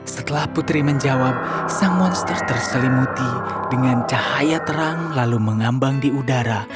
setelah putri menjawab sang monster terselimuti dengan cahaya terang lalu mengambang di udara